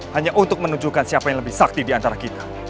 hanya untuk menunjukkan siapa yang lebih sakti diantara kita